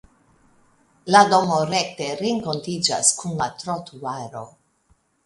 La domo rekte renkontiĝas kun la trotuaro.